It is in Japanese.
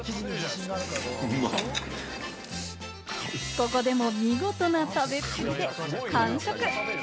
ここでも見事な食べっぷり。完食！